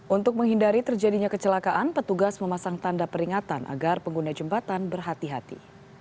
untuk menghindari terjadinya kecelakaan petugas memasang tanda peringatan agar pengguna jembatan berhati hati